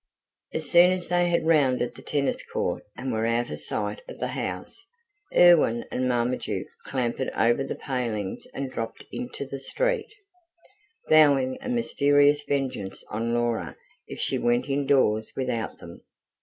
As soon as they had rounded the tennis court and were out of sight of the house, Erwin and Marmaduke clambered over the palings and dropped into the street, vowing a mysterious vengeance on Laura if she went indoors without them.